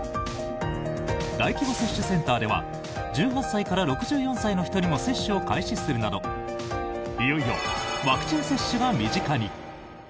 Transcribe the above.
大規模接種センターでは１８歳から６４歳の人にも接種を開始するなどいよいよワクチン接種が身近に。